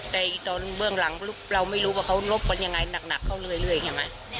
แต่ตอนเบื้องหลังเราไม่รู้ว่าเขารบเป็นยังไงหนักหนักเขาเรื่อยเรื่อยเห็นไหม